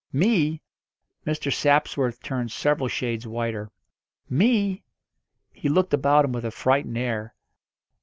"Me!" Mr. Sapsworth turned several shades whiter. "Me!" He looked about him with a frightened air.